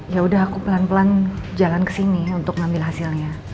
yaudah aku pelan pelan jalan kesini untuk ngambil hasilnya